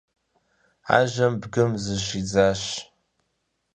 Ажэм бгым зыщидзащ.